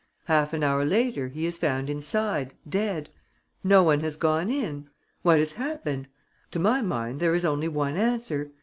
Half an hour later, he is found inside, dead. No one has gone in. What has happened? To my mind there is only one answer.